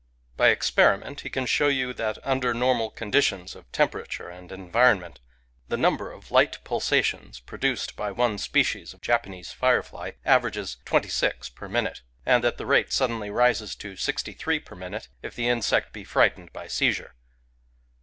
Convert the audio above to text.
By experiment he can show you that, under normal conditions of temperature and environment, the number of light pulsations pro duced by one species of Japanese firefly averages twenty six per minute ; and that the rate suddenly rises to sixty three per minute, if the insect be frightened by seizure.